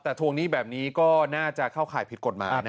แต่ทวงหนี้แบบนี้ก็น่าจะเข้าข่ายผิดกฎหมาย